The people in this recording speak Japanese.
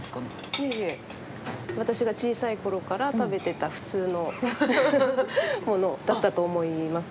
いえいえ、私が小さいころから食べてた普通のものだったと思います。